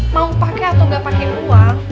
mau pake atau gak pake uang